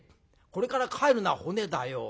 これから帰るのは骨だよ。